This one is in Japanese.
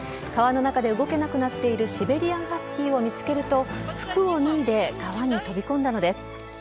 川の中で動けなくなっているシベリアンハスキーを見つけると服を脱いで川に飛び込んだのです。